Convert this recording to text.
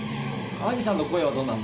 兄さんの声はどうなるの？